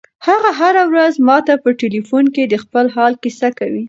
هغه هره ورځ ماته په ټیلیفون کې د خپل حال کیسه کوي.